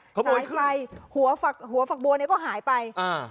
ขบวนขึ้นหัวฝักบวนเนี้ยก็หายไปอ่า